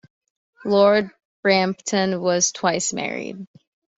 Lord Brampton was twice married.